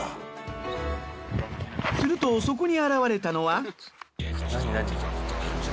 するとそこに現れたのは。